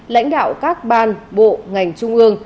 lãnh đạo các ban bộ ngành trung ương